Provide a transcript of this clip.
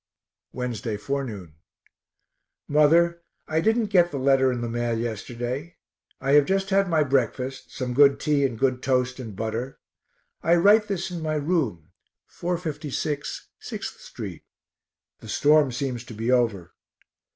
Wednesday forenoon. Mother, I didn't get the letter in the mail yesterday. I have just had my breakfast, some good tea and good toast and butter. I write this in my room, 456 Sixth st. The storm seems to be over.